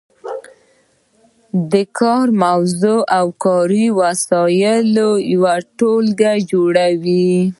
د کار موضوع او کاري وسایل یوه ټولګه جوړوي.